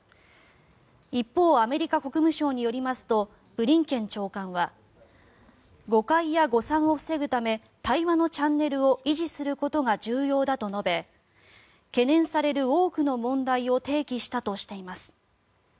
一方アメリカ国務省によりますとブリンケン長官は誤解や誤算を防ぐため対話のチャンネルを維持することが重要だと述べ懸念される多くの問題を提起したとしています。